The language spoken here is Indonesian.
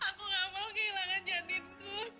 aku gak mau kehilangan janinku